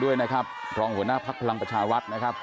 ด้วยนะครับรองหัวหน้าภักดิ์พลังประชารัฐนะครับ